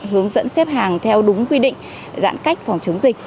hướng dẫn xếp hàng theo đúng quy định giãn cách phòng chống dịch